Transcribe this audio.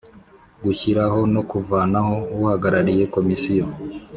Gushyiraho no kuvanaho uhagarariye komisiyo